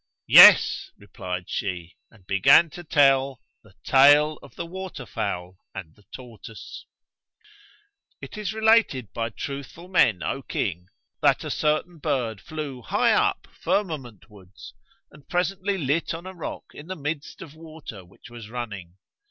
"Yes," replied she, and began to tell the TALE OF THE WATER FOWL AND THE TORTOISE. It is related by truthful men, O King, that a certain bird flew high up firmament wards and presently lit on a rock in the midst of water which was running.